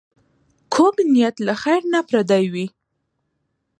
کوږ نیت له خېر نه پردی وي